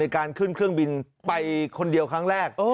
การขึ้นเครื่องบินไปคนเดียวครั้งแรก